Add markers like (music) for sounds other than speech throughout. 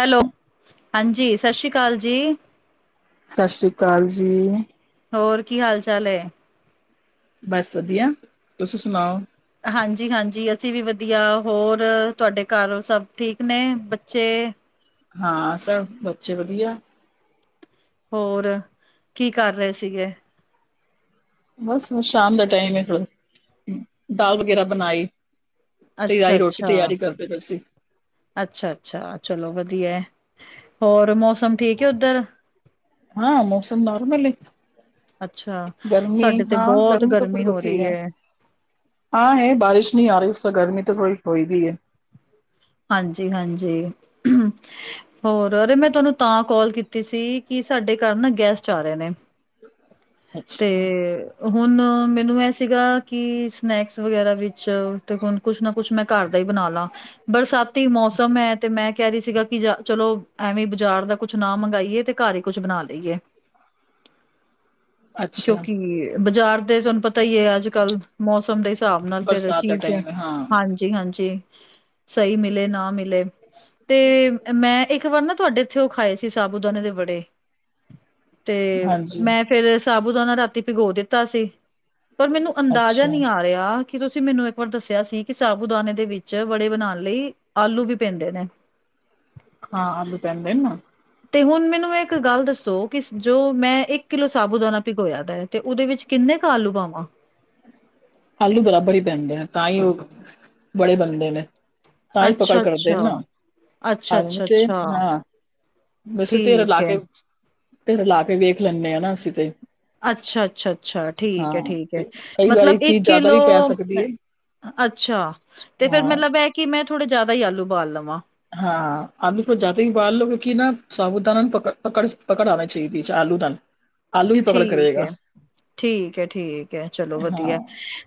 Hello, ਹਾਂਜੀ ਸਤਿ ਸ਼੍ਰੀ ਅਕਾਲ ਜੀ ਸਤਿ ਸ਼੍ਰੀ ਅਕਾਲ ਜੀ ਹੋਰ ਕੀ ਹਾਲ ਚਾਲ ਏ ਬਸ ਵਧੀਆ, ਤੁਸੀਂ ਸੁਣਾਓ ਹਾਂਜੀ-ਹਾਂਜੀ ਅਸੀਂ ਵੀ ਵਧੀਆ। ਹੋਰ ਤੁਆਡੇ ਘਰ ਸਭ ਠੀਕ ਨੇ ਬੱਚੇ? ਹਾਂ, ਸਭ ਬੱਚੇ ਵਧੀਆ। ਹੋਰ, ਕੀ ਕਰ ਰਏ ਸੀਗੇ? ਬਸ ਸ਼ਾਮ ਦਾ ਟਾਈਮ ਏ, ਦਾਲ ਵਗੈਰਾ ਬਨਾਈ। ਤਿਆਈ ਰੋਟੀ ਤਿਆਰੀ ਕਰਦੇ ਪਏ ਸੀ। ਅੱਛਾ ਅੱਛਾ ਚਲੋ ਵਧੀਆ ਐ, ਹੋਰ ਮੌਸਮ ਠੀਕ ਏ ਓਧਰ? ਹਾਂ ਮੌਸਮ ਨੋਰਮਲ ਏ। ਅੱਛਾ, ਗਰਮੀ ਸਾਡੇ ਤੇ ਹਾਂ ਬਹੁਤ ਗਰਮੀ ਤੋ ਪੂਰੀ ਹੋ ਹੋਤੀ ਰਹੀ ਹੈ। ਏ। ਹਾਂ ਹੈ। ਬਾਰਿਸ਼ ਨਈ ਆ ਰੀ ਉਸਦਾ ਗਰਮੀ ਤਾਂ ਥੋੜੀ ਹੋਈ ਦੀ ਐ। ਹਾਂਜੀ- ਹਾਂਜੀ। ਹੋਰ ਅਰੇ ਮੈਂ ਤਾਨੂੰ ਤਾਂ ਕੋਲ ਕੀਤੀ ਸੀ ਕਿ ਸਾਡੇ ਘਰ ਨਾ ਗੈਸਟ ਆ ਰੇ ਨੇ। ਤੇ ਅੱਛਾ, ਹੁਨ ਮੈਨੂੰ ਐ ਸੀਗਾ ਕਿ ਸਨੈਕਸ ਵਗੈਰਾ ਵਿੱਚ ਤੇ ਹੁਨ ਕੁਛ ਨਾ ਕੁਛ ਮੈਂ ਘਰ ਦਾ ਈ ਬਨਾ ਲਾਂ ਬਰਸਾਤੀ ਮੌਸਮ ਐ ਤੇ ਮੈਂ ਕੈ ਰੀ ਸੀਗਾ ਕਿ ਜਾ ਚਲੋ ਐਵੇਂ ਬਜਾਰ ਦਾ ਕੁਛ ਨਾ ਮੰਗਾਈਏ ਤੇ ਘਰ ਈ ਕੁਛ ਬਣਾ ਲਈਏ। ਅੱਛਾ ਕਿਉਂਕਿ ਬਜਾਰ ਦੇ ਤਾਨੂੰ ਪਤਾ ਈ ਐ ਅੱਜ ਕੱਲ ਮੌਸਮ ਦੇ ਸਾਬ ਨਾਲ ਫੇਰ ਬਰਸਾਤ ਦਾ ਚੀਜ ਟਾਈਮ ਹੈ ਹਾਂ, ਹਾਂਜ ਜੀ ਹਾਂਜੀ ਸਈ ਮਿਲੇ ਨਾ ਮਿਲੇ, ਤੇ ਮੈਂ ਏਕ ਵਾਰ ਨਾ ਤੁਆਡੇ ਥੇ ਓ ਖਾਏ ਸੀ ਸਾਬੂਦਾਨੇ ਦੇ ਵੜੇ ਤੇ ਹਾਂਜੀ। ਮੈਂ ਫੇਰ ਸਾਬੂਦਾਨਾ ਰਾਤੀ ਭਿਗੋ ਦਿੱਤਾ ਸੀ, ਪਰ ਮੈਨੂੰ ਅੰਦਾਜ਼ਾ ਅੱਛਾ, ਨੀ ਆ ਰੇਆ ਕੀ ਤੁਸੀ ਮੈਨੂੰ ਐਕ ਵਾਰ ਦੱਸੇਆ ਸੀ ਕਿ ਸਾਾਬੂਦਾਨੇ ਦੇ ਵਿੱਚ ਵੜੇ ਬਨਾਨ ਲਈ ਆਲੂ ਵੀ ਪੈਂਦੇ ਨੇ। ਹਾਂ ਆਲੂ ਪੈਂਦੇ ਨ। ਤੇ ਹੁਨ ਮੈਨੂੰ ਏਕ ਗੱਲ ਦੱਸੋ ਕਿ ਜੋ ਮੈਂ ਏਕੱ ਕਿਲੋ ਸਾਬੂ ਦਾਣਾ ਪਿਗੋਏਆ ਦਾ ਏ। ਤੇ ਓਦੇ ਵਿੱਚ ਕਿੰਨੇ ਕੁ ਆਲੂ ਪਾਵਾਂ? ਆਲੂ ਬਰਾਬਰ ਈ ਪੈਂਦੇ ਨੇ ਤਾਂ ਈ ਓ ਵੜੇ ਬੰਦੇ ਨੇ। ਤਾਂ ਈ ਪਕੜ ਅੱਛਾ, ਕਰਦੇ ਨਾ। ਅੱਛਾ, ਅੱਛਾ, ਅਊਂ ਅੱਛਾ, ਤੇ ਅੱਛਾ ਹਾਂ। ਵੈਸੇ ਤੇ ਰਲਾ ਠੀਕ ਹੈ। ਕੇ, ਰਲਾ ਕੇ ਵੇਖ ਲੈਨੇ ਆਨਾ ਅਸੀ ਤੇ। ਅੱਛਾ, ਅੱਛਾ, ਅੱਛਾ ਠੀਕ ਐ- ਹਾਂ ਠੀਕ ਐ। ਤੇ ਕਈ ਮਤਲਬ ਵਾਰੀ ਇੱਕ ਚੀਜ਼ ਜ਼ਿਆਦਾ ਕਿਲੋ ਵੀ ਪੈ ਸਕਦੀ ਹੈ ਅੱਛਾ ਤੇ ਫੇਰ ਹਾਂ ਮਤਲਬ ਐ ਕੇ ਮੈਂ ਥੋੜੇ ਜਾਦਾ ਈ ਆਲੂ ਬਾਲ ਲਵਾਂ। ਹਾਂ, ਆਲੂ ਤੋ ਜਾਦਾ ਈ ਉਬਾਲ ਲੋ। ਕੇਓਂਕਿ ਨਾ ਸਾਾਬੂਦਾਨਾ ਨਾ ਪਕੜ ਪਕੜ ਆਨਾ ਚੀਦੀ ਚ ਆਲੂ ਦਾਨਾ। ਠੀਕ ਐ, ਠੀਕ ਐ, ਠੀਕ ਐ ਚਲੋ ਹਾਂ ਵਧੀਆ ਐ।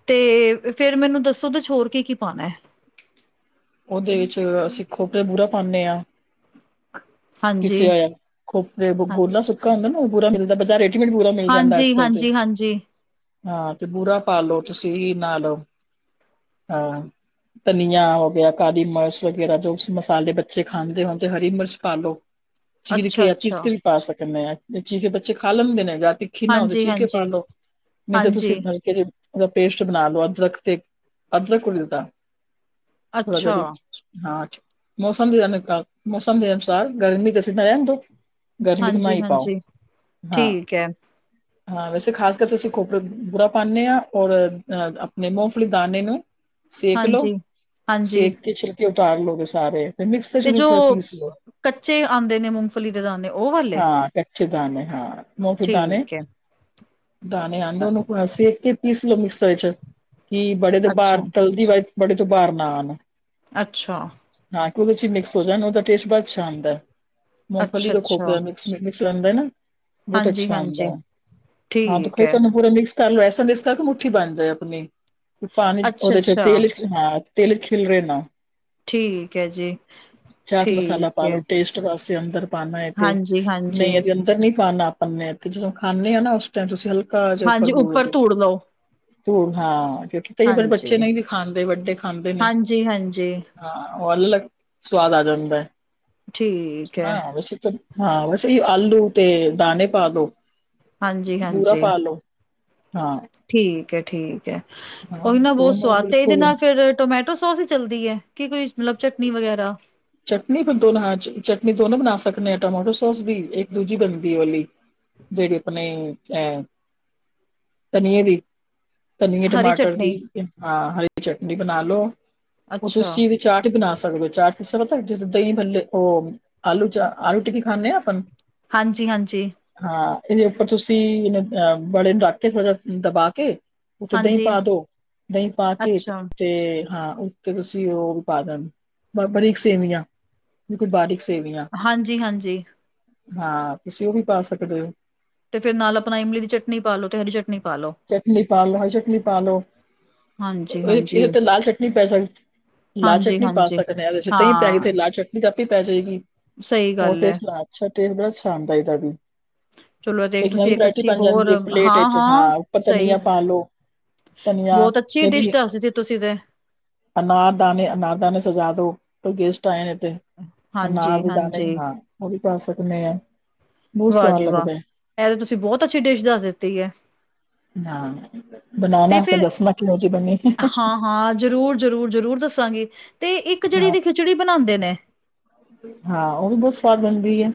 ਤੇ ਫੇਰ ਮੈਨੂੰ ਦੱਸੋ ਓਦੇ ਚ ਹੋਰ ਕੀ ਕੀ ਪਾਨਾ ਐ? ਓਦੇ ਵਿੱਚ ਅਸੀਂ ਖੋਪੇ ਦਾ ਬੂਰਾ ਪਾਨੇ ਆਂ। ਪੀਸੇਆ ਹੋਏਆ, ਖੋਪੇ ਹਾਂ, ਗੋਲਾ ਸੁੱਕਾ ਹੁੰਦਾ ਨਾ ਓ ਬੂਰਾ ਮਿਲਦਾ ਬਜਾਰ ਰੇ ਡੀਮੇਟ ਪੂਰਾ ਮਿਲ ਜਾਂਦਾ ਐ ਹਾਂਜੀ, ਅਜ ਕਲ ਤੇ। ਹਾਂਜੀ, ਹਾਂਜੀ। ਹਾਂ ਤੇ ਬੂਰਾ ਪਾ ਲੋ ਤੁਸੀ, ਨਾਲ ਅ ਧਨੀਆ ਹੋ ਗੇਆ, ਕਾਲੀ ਮਰਚ ਵਗੈਰਾ ਜੋ ਮਸਾਲੇ ਬੱਚੇ ਖਾਂਦੇ ਹੋਣ ਤੇ ਹਰੀ ਮਰਚ ਪਾਲੋ। ਚੀਰ ਕੇ ਅੱਛਾ, ਯਾ ਪੀਸ ਅੱਛਾ, ਕੇ ਵੀ ਪਾ ਸਕਨੇ ਆਂ। ਚੀਰ ਕੇ ਬੱਚੇ ਖਾ ਲੈਂਦੇ ਨੇ ਜਾਤੀ ਖੀਨਾ ਹੋਵੇ ਹਾਂਜੀ, ਚੀਰ ਕੇ ਹਾਂਜੀ, ਪਾ ਲੋ, ਨਈ ਤੇ ਹਾਂਜੀ, ਤੁਸੀ ਹਲਕੇ ਜੇ ਓਦਾ ਪੇਸਟ ਬਣਾ ਲੋ ਅਦਰਕ ਤੇ ਅਦਰਕ ਉਲਦਾ ਥੋੜਾ ਜਾ ਅੱਛਾ, ਹਾਂ, ਮੌਸਮ ਦੇ ਅਨੁਕ ਮੌਸਮ ਦੇ ਅਨੁਸਾਰ ਗਰਮੀ ਚ ਅਸੀ ਤਾ ਰੈਨ ਦੋ। ਗਰਮੀ ਚ ਨਾ ਹਾਂਜੀ, ਈ ਪਾਓ, ਹਾਂਜੀ। ਹਾਂ। ਠੀਕ ਐ, ਹਾਂ ਵੈਸੇ ਖਾਸ ਕਰ ਤੇ ਅਸੀ ਖੋਪਰੇ ਬੂਰਾ ਪਾਨੇ ਆਂ ਔਰ ਅ ਅਪਨੇ ਮੂੰਫਲੀ ਦਾਨੇ ਨੂੰ ਸੇਕ ਲੋੋ, ਹਾਂਜੀ, ਹਾਂਜੀ ਸੇਕ ਕੇ ਛਿਲਕੇ ਉਤਾਰ ਲੋ ਸਾਰੇ, ਫਿਰ ਤੇ ਮਿਕਸਚਰ ਜੋ ਥੋੜਾ ਪੀਸ ਲੋ। ਕੱਚੇ ਆਉਂਦੇ ਨੇ ਮੂੰਗਫਲੀ ਦੇ ਦਾਣੇ, ਉਹ ਵਾਲੇ। ਹਾਂ ਕੱਚੇ ਦਾਣੇ ਹਾਂ, ਮੂੰਗਫਲੀ ਦੇ ਦਾਣੇ। ਠੀਕ ਐ, ਦਾਣੇ ਆਉਂਦੇ ਅੱਛਾ। ਉਹਨੂੰ ਸੇਕ ਕੇ ਪੀਸ ਲਓ ਮਿਕਸਰ ਵਿੱਚ, ਕਿ ਬੜੇ ਤੋਂ ਬਾਹਰ ਅੱਛਾ, ਤਲਦੀ ਵ ਬੜੇ ਤੋ ਬੲਰ ਨਾ ਆਣ। ਅੱਛਾ। ਹਾਂ ਕਿ ਉਹ ਚ ਮਿਕਸ ਹੋ ਜਾਣ ਉਦਾ ਟੇਸਟ ਬਣਾ ਅੱਛਾ ਆਂਦਾ, ਮੂੰਗਫਲੀ ਰੱਖੋ। ਅੱਛਾ, ਮਿਕਸ ਰਹਿੰਦਾ ਨਾ, ਬਹੁਤ ਹਾਂਜੀ, ਅੱਛਾ ਆਂਦਾ ਹਾਂਜੀ ਏ ਹਾਂ ਠੀਕ ਦੇਖਾਈ ਐ। ਤੁਹਾਨੂੰ ਪੂਰਾ ਮਿਕਸ ਕਰ ਲਓ ਐਸਾ ਦਿਸਦਾ ਕਿ ਮੁੱਠੀ ਬਣ ਜਾਏ ਆਪਣੀ, ਪਾਣੀ ਚ ਅੱਛਾ, ਉਹਦੇ ਚ ਅੱਛਾ ਤੇਲ ਹਾਂ ਤੇਲ ਇਚ ਖਿਲਰੇ ਨਾ। ਠੀਕ ਐ ਜੀ, ਚਾਟ ਮਸਾਲਾ ਠੀਕ ਪਾ ਐ। ਲੋ ਟੇਸਟ ਵਾਸਤੇ ਅੰਦਰ ਪਾਂਣਾ ਏ ਤੇ ਹਾਂਜੀ, ਹਾਂਜੀ, ਨਹੀਂ ਇਹਦੇ ਅੰਦਰ ਨਹੀਂ ਪਾਂਣਾ ਅਪ ਨੇ ਤੇ ਜਦੋਂ ਖਾਂਦੇ ਹਾਂ ਨਾ ਉਸ ਟਾਈਮ ਤੁਸੀਂ ਹਲਕਾ ਕਾਜ ਉਪਰ ਹਾਂਜੀ ਬੂਹੇ ਉੱਪਰ ਤੇ, ਧੂੜ ਲਓ, ਧੂਲ ਹਾਂ ਕਈ ਵਾਰ ਬੱਚੇ ਹਾਂਜੀ, ਨਹੀਂ ਵੀ ਖਾਂਦੇ ਵੱਡੇ ਖਾਂਦੇ ਨੇ। ਹਾਂਜੀ, ਹਾਂਜੀ। ਹਾਂ, ਉ ਅਲਗ ਸਵਾਦ ਆ ਜਾਂਦਾ ਏ। ਠੀਕ ਐ, ਹਾਂ ਵੈਸੇ ਤੇ ਹਾਂ ਵੈਸੇ ਆਲੂ ਤੇ ਦਾਣੇ ਪਾਦੋ। ਬੂਰਾ ਹਾਂਜੀ-ਹਾਂਜੀ। ਪਾ ਲੋੋ, ਹਾਂ। ਠੀਕ ਹੈ-ਠੀਕ ਹੈ, ਹਾਂ ਉਹੀ ਨਾ ਬਹੁਤ ਦੋਨੋ ਸਵਾਦ ਤੇ ਇਹਦੇ ਬਿਲਕੁਲ ਨਾਲ ਫਿਰ ਟਮੈ ਟੋ ਸੋਸ ਹੀ ਚੱਲਦੀ ਹੈ ਕੀ ਕੋਈ ਮਤਲਬ ਚਟਨੀ ਵਗੈਰਾ। ਚਟਨੀ ਦੋ ਹਾਂ ਚਟਨੀ ਦੋਨੋ ਬਣਾ ਸਕਦੇ ਆ ਟਮਾਟੋ ਸੋਸ ਵੀ ਇੱਕ ਦੂਜੀ ਬਣਦੀ ਏ ਵਲੀ। ਜਿਹੜੀ ਆਪਣੇ ਅ ਧਨੀਰ ਦੀ। ਧਨੀਰ, ਹਰੀ ਟਮਾਟਰ ਚਟਨੀ ਦੀ ਹਾਂ ਹਰੀ ਚਟਨੀ ਬਣਾ ਲੋ, ਉ ਅੱਛਾ, ਤੁਸੀ ਵਿ ਚਾਟ ਹੀ ਬਣਾ ਸਕਦੇ ਹੋ ਚਾਟ ਪ ਜਿੱਦਾਂ ਦਹੀਂ ਭੱਲੇ ਉ ਆਲੂ ਚ ਆਲੂ ਟਿੱਕੀ ਖਾਂਣੇ ਆਪਨ ਹਾਂਜੀ-ਹਾਂਜੀ। ਹਾਂ, ਇਹਦੇ ਉੱਪਰ ਤੁਸੀਂ ਇ ਮਤਲਬ ਬੜੇ ਰੱਖ ਕੇ, ਥੋੜਾ ਜਿਹਾ ਦਬਾ ਕੇ। ਉੱਥੇ ਦਹੀਂ ਹਾਂਜੀ ਪਾ ਦੋ, ਦਹੀਂ ਪਾ ਕੇ, ਅੱਛਾ, ਤੇ ਹਾਂ ਉੱਤੇ ਤੁਸੀਂ ਉ ਪਾ ਦੇ ਬਰੀਕ ਸੇਵੀਆਂ, ਬਿਲਕੁਲ ਬਰੀਕ ਸੇਵੀਆਂ। ਹਾਂਜੀ-ਹਾਂਜੀ। ਹਾਂ, ਤੁਸੀਂ ਉ ਵੀ ਪਾ ਸਕਦੇ ਹੋ। ਤੇ ਫੇਰ ਨਾਲ ਆਪਣਾ ਇਮਲੀ ਦੀ ਚਟਨੀ ਪਾ ਲੋ ਤੇ ਹਰੀ ਚਟਨੀ ਪਾਲੋ। ਚਟਨੀ ਪਾ ਲੋ, ਹਰੀ ਚਟਨੀ ਪਾ ਲੋ ਇਹ ਇਹਦੇ ਹਾਂਜੀ-ਹਾਂਜੀ, ੳਤੇ ਲਾਲ ਚਟਨੀ ਪੈ ਸਕਦੀ। ਲਾਲ ਚਟਨੀ ਪਾ ਹਾਂਜੀ-ਹਾਂਜੀ। ਸਕਦੇ ਇਹਦੇ ਵਿੱਚ ਕਈ ਹਾਂ, ਤਰ੍ਹਾਂ ਦੇ ਲਾਲ ਚਟਨੀ ਆਪੈ ਜਾਏਗੀ ਸਹੀ ਹੋਰ ਗੱਲ ਐ, ਟੇਸਟ ਅੱਛਾ ਟੇਸਟ ਬੜਾ ਆਂਦਾ ਇਹਦਾ ਵੀ। ਚਲੋ ਦੇਖ ਇੱਕ ਤੁਸੀਂ ਨਵੀਂ ਵਰਾਇਟੀ ਅੱਛੀ ਬਣ ਹੋਰ ਜਾਂਦੀ ਇੱਕ ਪਲੇਟ ਇਚ, ਹਾਂ-ਹਾਂ ਹਾਂ। ਸਹੀ, ਧਨੀਆਂ ਪਾਲੋ, ਧਨੀਆਂ ਬਹੁਤ ਅੱਛੀ ਡਿਸ਼ ਯਦੀ ਦੱਸ ਦਿੱਤੀ ਤੁਸੀਂ ਤੇ, ਅਨਾਰ ਦਾਣੇ, ਅਨਾਰ ਦਾਣੇ ਸਜਾ ਦੋ, ਕੋਈ ਗੇਸਟ ਆਏ ਨੇ ਤੇ। ਅਨਾਰ ਦੇ ਹਾਂਜੀ-ਹਾਂਜੀ। ਦਾਣੇਹਾ, ਉਹ ਵੀ ਪਾ ਸਕਨੇ ਹਾਂ। ਵਾਹ ਜੀ ਵਾਹ, ਇਹ ਤਾਂ ਤੁਸੀਂ ਬਹੁਤ ਅੱਛੀ ਡਿਸ਼ ਦੱਸ ਦਿੱਤੀ ਏ। ਹਾ, ਬਣਾਣਾ ਤੇ ਦਸਨਾ ਕਿਉਂ ਜਿਹੀ ਬਣੀ? ਹਾਂ ਜ਼ਰੂਰ-ਜ਼ਰੂਰ-ਜ਼ਰੂਰ ਦੱਸਾਂਗੇ ਤੇ ਇੱਕ ਜਿਹੜੀ ਹਾਂ ਇਹਦੀ ਖਿਚੜੀ ਬਣਾਉਂਦੇ ਨੇ। ਹਾਂ, ਉਹ ਵੀ ਬਹੁਤ ਸਵਾਦ ਬਣਦੀ ਹੈ,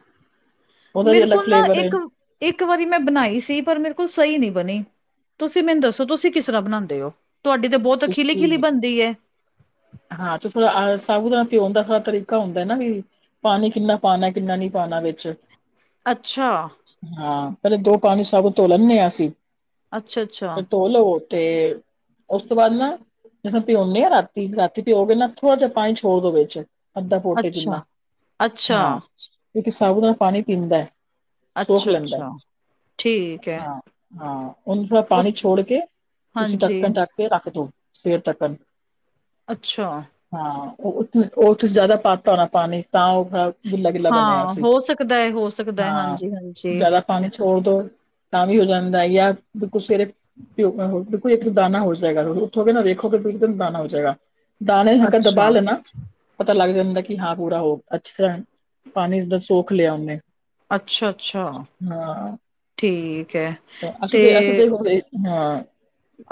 ਉਹਦਾ ਵੀ ਮੇਰੇ ਅਲੱਗ ਕੋਲ ਨਾ ਫਲੇਵਰ ਹੈ। ਇੱਕ ਇੱਕ ਵਾਰੀ ਮੈਂ ਬਣਾਈ ਸੀ ਪਰ ਮੇਰੇ ਕੋਲ ਸਹੀ ਨਹੀਂ ਬਣੀ। ਤੁਸੀਂ ਮੈਨੂੰ ਦੱਸੋ ਤੁਸੀਂ ਕਿਸ ਤਰ੍ਹਾਂ ਬਣਾਉਂਦੇ ਹੋ ਤੁਹਾਡੀ ਤੇ ਬਹੁਤ ਅ ਤੁਸੀਂ ਖੀਲੀ-ਖਿਲੀ ਬਣਦੀ ਹੈ। ਹਾਂ, ਤੇ ਥੋੜਾ ਸਾਬ ਦਾਪਿਉਣ ਦਾ ਤਰੀਕਾ ਹੁੰਦਾ ਨਾ ਵੀ। ਪਾਣੀ ਕਿੰਨਾ ਪਾਣਾ ਕਿੰਨਾ ਨੀ ਪਾਣਾ ਵਿੱਚ। ਅੱਛਾ। ਹਾਂ, ਪਹਿਲੇ ਦੋ ਪਾਣੀ ਸਬ ਧੋ ਲੈਂਨੇ ਆ ਅਸੀ ਅੱਛਾ-ਅੱਛਾ। ਲੋ, ਤੇ ਉਸ ਤੋਂ ਬਾਅਦ ਲਸਨ ਭਿੰਉਂਨੇ ਆ ਰਾ ਰਾਤੀ ਭਿਓਕੇ ਨਾ ਥੋੜ੍ਹਾ ਜਿਹਾ ਪਾਣੀ ਛੋੜ ਦੋ ਵਿੱਚ, ਅੱਧਾ ਪੋਟੇ ਅੱਛਾ, ਜਿੰਨਾ, ਹਾਂ। ਅੱਛਾ, ਕਿਉਕਿ ਸਾਾਬੂਦਾਣਾ ਪਾਣੀ ਪੀਂਦਾ ਐ। ਅੱਛਾ-ਅੱਛਾ। ਠੀਕ ਹੈ। ਹਾਂ, ਹਾਂ, ਉਹਨੂੰ ਥੋੜਾ ਉਹ ਪਾਣੀ ਛੋੜ ਕੇ, ਉਸ ਹਾਂਜੀ, ਢਕਣ ਢੱਕ ਫਿਰ ਰੱਖ ਤੇ, ਸਵੇਰ ਤੱਕਣ। ਅੱਛਾ। ਹਾਂ, ਉਹ ਤੁਸੀਂ ਜ਼ਿਆਦਾ ਪਾਤਾ ਹੋਣਾ ਪਾਣੀ, ਤਾਂ ਉਹ ਗਿੱਲਾ-ਗਿੱਲਾ ਬਣਿਆ ਹਾਂ, ਸੀ, ਹੋ ਸਕਦਾ ਹੈ, ਹੋ ਸਕਦਾ ਹੈ, ਹਾਂ, ਹਾਂਜੀ-ਹਾਂਜੀ, ਜ਼ਿਆਦਾ ਪਾਣੀ ਛੋੜਦੋ ਤਾਂ ਵੀ ਹੋ ਜਾਂਦਾ, ਯਾ ਬਿਲਕੁਲ ਸਵੇਰੇ ਭਿਉਂ ਇੱਕੋ-ਇੱਕ ਦਾਨਾ ਹੋ ਜਾਏਗਾ, ਉੱਠੋਗੇ ਨਾ ਦੇੇਖੋਗੇ ਇੱਕ-ਇੱਕ ਦਾਣਾ ਹੋ ਜਾਏਗਾ, ਦਾਣੇ ਹ ਦਬਾ ਅੱਛਾ, ਲੈਣਾ ਪਤਾ ਲੱਗ ਜਾਂਦਾ ਕਿ ਹਾਂ ਪੂਰਾ ਹੋ, ਅੱਛੀ ਤਰ੍ਹਾਂ ਪਾਣੀ ਓਦਾ ਸੋਖ ਲਿਆ ਉਹਨੇ। ਅੱਛਾ-ਅੱਛਾ। ਹਾਂ, ਠੀਕ ਐ, ਅਸੀ ਤੇ ਅਸੀ ਤੇ ਉਰੇ ਹਾਂ,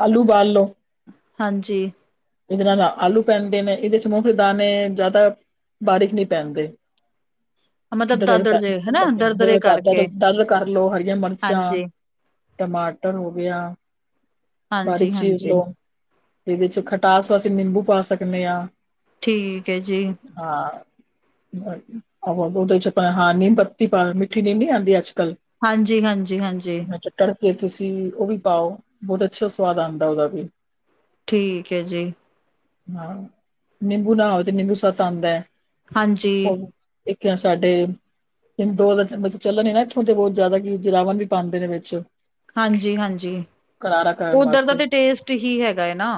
ਆਲੂ ਉਬਾਲ ਲੋ। ਹਾਂਜੀ। ਇਹਦੇ ਨਾਲ ਆਲੂ ਪੈਂਦੇ ਨੇ, ਇਹਦੇ'ਚ ਬਹੁਤੇ ਦਾਣੇ ਜ਼ਿਆਦਾ ਬਾਰੀਕ ਨਹੀਂ ਪੈਂਦੇ। (inaudible) ਮਤਲਬ ਦ੍ਰਿੜ ਦਾਦੜ ਕਰ, ਜੇ ਹਨਾ ਮਤਲਬ ਕਿ ਦਰਦਰੇ ਦ੍ਰਿੜ ਕਰ, ਕਰਕੇ ਦਰੜ ਕਰਲੋ, ਹਰੀਆਂ ਮਰਚਾਂ ਹਾਂਜੀ, ਟਮਾਟਰ ਹੋਗਿਆ, ਬਾਰੀਕ ਹਾਂਜੀ-ਹਾਂਜੀ ਚੀਰਲੋੋ। ਇਹਦੇ'ਚ ਖਟਾਸ ਵਾਸਤੇ ਨਿੰਬੂ ਪਾ ਸਕਨੇ ਆ। ਠੀਕ ਐ ਜੀ। ਹਾ‌ ਉਹਦੇ'ਚ ਹਾਂ ਨੀਮ ਪੱਤੀ ਪਾ, ਮਿੱਠੀ ਨੀਮ ਨੀ ਆਂਦੀ ਅੱਜ-ਕੱਲ ਹਾਂਜੀ, ਹਾਂਜੀ, ਹਾਂਜੀ। ਨਹੀ ਤਾ ਤੜਕੇ'ਚ ਤੁਸੀਂ ਉਹ ਵੀ ਪਾਓ, ਬਹੁਤ ਅੱਛਾ ਸਵਾਦ ਉਹਦਾ ਵੀ। ਠੀਕ ਐ ਜੀ। ਹਾਂ, ਨਿੰਬੂ ਨਾ ਹੋਵੇ ਤੇ ਨਿੰਬੂ ਸੱਤ ਆਂਦਾ ਐ, ਹਾਂਜੀ, ਉਹ ਇੱਕ ਆ ਸਾਡੇ ਹਿੰਦੋ ਦਾ ਮਤਲਬ ਚੱਲਣ ਏ ਨਾ ਇੱਥੋਂ, ਤੇ ਬਹੁਤ ਜ਼ਿਆਦਾ ਕਿ ਜਰਾਵਣ ਵੀ ਪਾਂਦੇ ਨੇ ਵਿੱਚ। ਹਾਂਜੀ-ਹਾਂਜੀ, ਕਰਾਰਾ ਕਰਨ ਉੱਧਰ ਦਾ ਵਾਸਤੇ ਤੇ ਟੇਸਟ ਹੀ ਹੈਗਾ ਏ ਨਾ।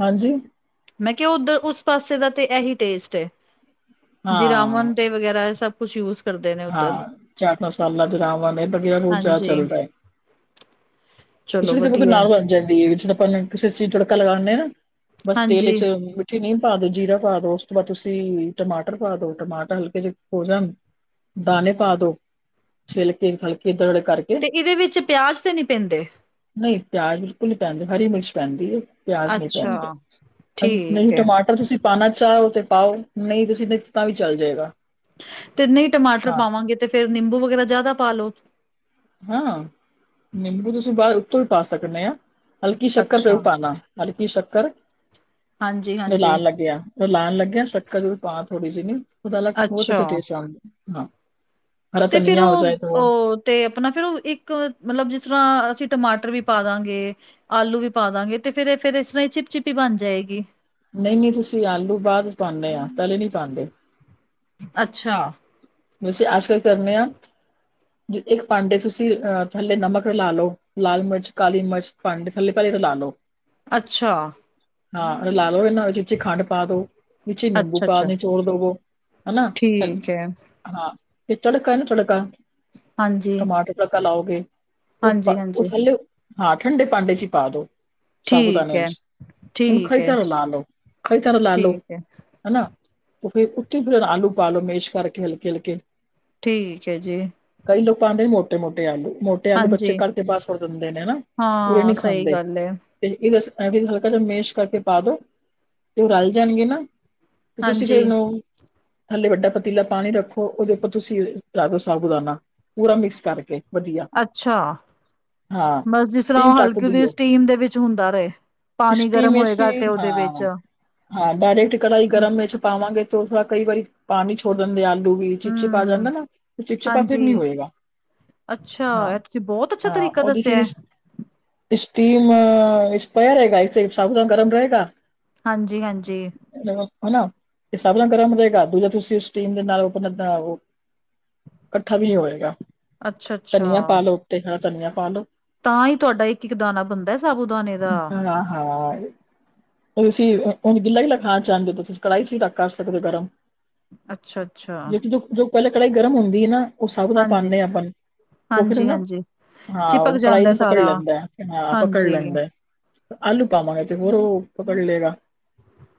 ਹਾਂਜੀ? ਮੈਂ ਕਿਹਾ ਓਧਰ, ਉਸ ਪਾਸੇ ਦਾ ਤੇ ਐਹੀ ਟੇਸਟ ਏ। ਹਾਂ ਜਿਰਾਮਨ ਤੇ ਵਗੈਰਾ ਸਭ ਕੁਛ ਯੂਜ ਕਰਦੇ ਨੇ ਉੱਧਰ ਹਾਂ, ਚਾਰ-ਪੰਜ ਸਾਲ 'ਚ ਜਰਾਵਾ ਨੇ, ਵਧੀਆ (unintelligible) ਹਾਂਜੀ, ਚੱਲਦਾ ਏ। ਚਲੋ ਖਿਚੜੀ ਬਸ ਵਧੀਆ ਨਾਲ ਬਣ ਜਾਂਦੀ ਏ, ਸਿਰਫ ਆਪਾਂ ਕਿਸੇ ਚੀਜ਼ ਤੜਕਾ ਲਗਾਨੇ ਨਾ ਬਸ ਤੇਲ ਹਾਂਜੀ 'ਚ ਤੇ ਚੀਨੀ ਪਾਦੋ, ਜੀਰਾ ਪਾਦੋ, ਉਸ ਤੋਂ ਬਾਅਦ ਤੁਸੀਂ ਟਮਾਟਰ ਪਾਦੋ, ਟਮਾਟਰ ਹਲਕੇ ਜੇ ਹੋ ਜਾਣ ਦਾਣੇ ਪਾਦੋ, ਛਿਲਕੇ ਹਲਕੇ ਦਰੜ ਕਰ ਤੇ ਇਹਦੇ ਵਿੱਚ ਪਿਆਜ ਤੇ ਨੀ ਪੈਂਦੇ? ਨਹੀਂ, ਪਿਆਜ ਬਿਲਕੁਲ ਨੀ ਪੈਂਦੇ ਹਰੀ ਮਿਰਚ ਪੈਂਦੀ ਏ। ਪਿਆਜ ਨੀ ਅੱਛਾ ਪੈਂਦੇ, ਅਨ, ਨਹੀਂ ਠੀਕ ਐ ਟਮਾਟਰ ਤੁਸੀ ਪਾਨਾ ਚਾਹੋ ਤੇ ਪਾਓ, ਨਹੀਂ ਤੁਸੀਂ ਸਿਧਾ ਈ ਤਾਵੀ ਚੱਲਜੇਗਾ। ਤੇ ਨਹੀਂ ਟਮਾਟਰ ਪਾਵਾਂਗੇ ਤੇ ਫੇਰ ਨਿੰਬੂ ਵਗੈਰਾ ਜ਼ਿਆਦਾ ਪਾਲੋੋ। ਹਾਂ ਨਿੰਬੂ ਤੁਸੀਂ ਬਾਅਦ ਉੱਤੋਂ ਵੀ ਪਾ ਸਕਦੇ ਆ। ਹਲਕੀ ਸ਼ੱਕਰ ਅੱਛਾ। ਜ਼ਰੂਰ ਪਾਣਾ। ਹਲਕੀ ਸ਼ੱਕਰ ਤੇ ਹਾਂਜੀ-ਹਾਂਜੀ। ਲਾ ਲੱਗਿਆ। ਲਾਣ ਲੱਗਿਆ ਸੱਕਰ ਜਰੂ ਪਾਣਾ ਥੋੜੀ ਸੀ ਉਹਦਾ ਅਲਗ ਬਹੁਤ ਅੱਛਾ ਟੇਸਟ ਆ ਹਾਂ ਹਰਾ ਤੇ ਫਿਰ ਧਨੀਆ ਹੋ ਉਹ ਜਾਏ ਤੋ ਓ ਤੇ ਆਪਣਾ ਫੇਰ ਉਹ ਇੱਕ ਮਤਲਬ ਜਿਸ ਤਰ੍ਹਾਂ ਅਸੀਂ ਟਮਾਟਰ ਵੀ ਪਾ ਦਾਗੇ। ਆਲੂ ਵੀ ਪਾ ਦਾਗੇ ਤੇ ਫਿਰ ਫੇਰ ਇਸ ਤਰ੍ਹਾਂ ਹੀ ਚਿਪ ਚਿਪੀ ਬਣ ਜਾਏਗੀ। ਨਹੀਂ - ਨਹੀਂ ਤੁਸੀਂ ਆਲੂ ਬਾਅਦ ਚ ਪਾਂਦੇ ਆ ਪਹਿਲੇ ਨੀ ਪਾਂਦੇ। ਅੱਛਾ ਵੈਸੇ ਅਜ ਕੱਲ ਕਰਨੇ ਆ। ਇੱਕ ਭਾਂਡੇ ਤੁਸੀਂ ਥੱਲੇ ਨਮਕ ਰਲਾ ਲਓ, ਲਾਲ ਮਿਰਚ, ਕਾਲੀ ਮਿਰਚ ਭਾਂਡੇ ਥਲੇ ਪਹਲੇ ਰਲਾ ਲੋ ਅੱਛਾ ਹਾਂ ਰਲਾ ਲੋ ਇਨ੍ਹਾਂ ਵਿੱਚੀ ਖੰਡ ਪਾ ਦੋ ਵਿਚੀ ਨਿੰਬੂ ਪਾ ਅੱਛਾ-ਅੱਛਾ ਕੇ ਨਿਚੋੜ ਦੇਵੋ। ਹੈ ਨਾ ਠੀਕ ਐ। ਹਾਂ ਇਹ ਤੜਕਾ ਨਾ ਤੜਕਾ ਹਾਂਜੀ। ਟਮਾਟਰ ਨੂੰ ਤੜਕਾ ਲਾਓਗੇ ਉਪਰ ਉਹ ਹਾਂਜੀ-ਹਾਂਜੀ ਥੱਲੇ, ਹਾਂ ਠੰਡੇ ਭਾਂਡੇ ਚ ਈ ਪਾ ਦੋ ਠੀਕ ਸਾਬੂਦਾਣੇ ਐ, 'ਚ ਇਹਨੂੰ ਠੀਕ ਖਰੀ ਐ, ਤਰਾਂ ਰਲਾ ਲੋ ਖਰੀ ਤਰਾਂ ਰਲਾ ਲੋ ਠੀਕ ਐ, ਹਨਾ ਤੇ ਫਿਰ ਉੱਥੇ ਈ ਫਿਰ ਆਲੂ ਪਾ ਲੋ ਮੇਸ਼ ਕਰਕੇ ਹਲਕੇ ਹਲਕੇ ਠੀਕ ਏ ਜੀ ਕਈ ਲੋਕ ਪਾਂਦੇ ਨੇ ਮੋਟੇ- ਮੋਟੇ ਆਲੂ ਮੋਟ ਤੇ ਆਲੂ ਬੱਚੇ ਹਾਂਜੀ ਕੱਢ ਕੇ ਬਾਹਰ ਸੁੱਟ ਦਿੰਦੇ ਨੇ ਹਨਾ ਕੋਈ ਨੀ ਹਾਂ ਸਹੀ ਖਾਂਦੇ। ਗੱਲ ਐ। ਤੇ ਇਹ ਬਸ ਇਵੇਂ ਹਲਕਾ ਜਿਆ ਮੇਸ਼ ਕਰਕੇ ਪਾ ਦੋ। ਤੇ ਉਹ ਗਲ ਜਾਣਗੇ ਨਾ। ਤੇ ਤੇ ਤੁਸੀਂ ਹਾਂਜੀ। ਫਿਰ ਓਨ ਥੱਲੇ ਵੱਡਾ ਪਤੀਲਾ ਪਾਣੀ ਰੱਖੋ ਉਹਦੇ ਉੱਪਰ ਤੁਸੀਂ ਰੱਖ ਦੋ ਸਾਬੂ ਦਾਨਾ ਪੂਰਾ ਮਿਕਸ ਕਰਕੇ ਵਧੀਆ ਅੱਛਾ, ਹਾਂ ਬਸ ਜਿਸ ਤਰ੍ਹਾਂ ਟੀਮ ਉਹ ਟੱਕ ਹਲਕੀ ਜੀ ਦਿਓ ਸਟੀਮ ਦੇ ਵਿੱਚ ਹੁੰਦਾ ਰਹੇ ਪਾਣੀ ਸਟੀਮ ਗਰਮ ਵਿੱਚ ਕਿ ਹੋਏਗਾ ਤੇ ਉਹਦੇ ਵਿੱਚ ਹਾਂ ਹਾਂ ਡਾਇਰੈਕਟ ਕੜਾਹੀ ਗਰਮ ਵਿੱਚ ਪਾਵਾਂਗੇ ਤੋ ਥੋੜ੍ਹਾ ਕਈ ਵਾਰੀ ਪਾਣੀ ਛੋੜ ਦਿੰਦੇ ਆਲੂ ਵੀ ਚਿਪ - ਚਿਪ ਆ ਜਾਂਦਾ ਹੂੰ ਨਾ, ਚਿਪ ਚਿਪਾ ਫਿਰ ਹਾਂਜੀ। ਨੀ ਹੋਏਗਾ। ਅੱਛਾ, ਹਾਂ ਏਹ ਤੁਸੀਂ ਬਹੁਤ ਅੱਛਾ ਤਰੀਕਾ ਦੱਸਿਆ। ਅਸਟੀਮ ਵਿੱਚ ਪਿਆ ਰਏਗਾ ਇਥੇ ਸਾਰਾ ਦਿਨ ਗਰਮ ਰਏਗਾ। ਹਾਂਜੀ- ਹਾਂਜੀ ਹਨਾ, ਏਹ ਸਾਬੂਦਾਨਾ ਗਰਮ ਰਏਗਾ ਦੂਜਾ ਤੁਸੀ ਸ ਸਟੀਮ ਦੇ ਨਾਲ ਉਹ ਕੀ ਕਹਿੰਦੇ ਉਹ ਇਕੱਠਾ ਵੀ ਨੀ ਹੋਏਗਾ। ਅੱਛਾ-ਅੱਛਾ, ਧਨੀਆ ਪਾ ਲੋ ਤੇ ਨਾਲ ਧਨੀਆ ਪਾ ਲੋ ਤਾਂ ਈ ਤੁਹਾਡਾ ਇੱਕ ਦਾਣਾ ਬਣਦਾ ਸਾਬੂ ਦਾਣੇ ਦਾ ਹਾਂ- ਹਾਂ ਏਹ ਤੁਸੀਂ ਉੰਝ ਗਿੱਲਾ ਈ ਖਾਣਾ ਚਾਹੁੰਦੇ ਓ ਤੁਸੀਂ ਕੜ੍ਹਾਈ 'ਚ ਰਖਾ ਸਕਦੇ ਓ ਗਰਮ ਅੱਛਾ -ਅੱਛਾ ਜ ਜੋ ਪਹਿਲੇ ਕੜਾਈ ਗਰਮ ਹੁੰਦੀ ਏ ਨਾ ਉਹ ਸਾਬੂਦਾਨਾ ਹਾਂਜੀ। ਪਾਂਨੇ ਆ ਆਪਾ ਨੂੰ ਉਹ ਫਿਰ ਹਨਾ ਹਾਂਜੀ-ਹਾਂਜੀ, ਹਾਂ ਚਿਪਕ ਉਹ ਕੜਾਈ ਜਾਂਦਾ ਨੂੰ ਪਕੜ ਸਾਰਾ ਲੈਂਦਾ ਹਾਂ, ਪਕੜ ਹਾਂਜੀ। ਲੈਂਦਾ। ਆਲੂ ਪਾਵਾਂਗੇ ਜਰੂਰ ਉਹ ਪਕੜ ਲਏਗਾ,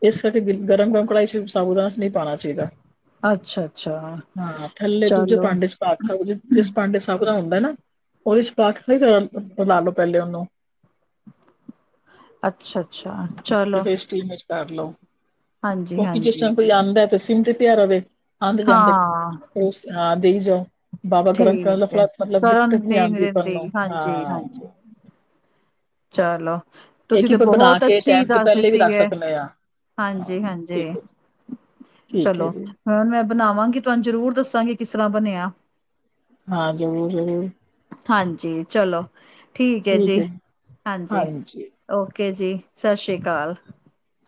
ਇਸ ਕਰਕੇ ਗਰਮ ਗਰਮ ਕੜਾਈ ਚ ਸਾਬੂਦਾਨਾਂ ਨਹੀਂ ਪਾਣਾ ਚਾਹੀਦਾ। ਅੱਛਾ। ਹਾਂ, ਥੱਲੇ ਦੂਜੇ ਭਾਂਡੇ ਚ ਅੱਛਾ, ਜਿਸ ਭਾਂਡੇ ਚ ਸਾਬ ਦਾ ਹੁੰਦਾ ਨਾ, ਉਸ 'ਚ ਪਾਕੇ ਬਣਾ ਲੋ ਪਹਿਲੇ ੳਹਨੂੰ। ਅੱਛਾ -ਅੱਛਾ ਤੇ ਚਲੋ। ਫਿਰ ਸਟੀਮ ਚ ਕਰ ਲਓ, ਕਿਉਂਕਿ ਜਿਸ ਹਾਂਜੀ-ਹਾਂਜੀ। ਟਾਈਮ ਕੋਈ ਆਦਾਂ ਤਾਂ ਸਿਮ ਤੇ ਪਿਆ ਰਵੇ। ਆਉਂਦੇ ਜਾਂਦੇ, ਹਾਂ, ਉਸ ਹਾਂ ਦੇਈ ਜਾਓ। ਬਾਰ ਬਾਰ ਗਰਮ ਕਰ ਠੀਕ ਲੋ, ਫਿਰ ਹੈ, ਏ ਮਤਲਬ ਕਰਨ ਦਿਕਤ ਨਹੀਂ ਦੀ ਨੀ ਆਦੀ ਤੁਹਾਨੂੰ, ਰਹਿੰਦੀ ਹਾਂਜੀ ਹਾਂ। ਚਾਲੋ। ਇਹ ਚੀਜ਼ ਆਪਾਂ ਬਣਾ ਕੇ ਟਾਈਮ ਪਹਿਲੇ ਵੀ ਦਿੱਤੀ ਰੱਖ ਹੈ ਸਕਨੇ ਆਂ, ਹਾਂ ਹਾਂਜੀ ਹਾਂਜੀ ਠੀਕ ਹੈ। ਠੀਕ ਹੈ ਚਲੋ ਜੀ। ਹੁਣ ਮੈਂ ਬਣਾਵਾਂਗੀ, ਤੁਹਾਨੂੰ ਜ਼ਰੂਰ ਦੱਸਾਂਗੀ ਕਿਸ ਤਰ੍ਹਾਂ ਬਣਿਆ।। ਹਾਂ ਜ਼ਰੂਰ ਜ਼ਰੂਰ ਹਾਂਜੀ ਚਲੋ ਠੀਕ ਹੈ ਜੀ ਹਾਂਜੀ। ਓਕੇ ਜੀ ਸਸ਼ਿ ਸ੍ਰੀ ਅਕਾਲ।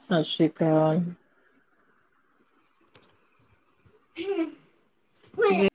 ਸਤਿ ਸ੍ਰੀ ਅਕਾਲ। ਹੂਮਮ (inaudible) ਹਮ ਵੇ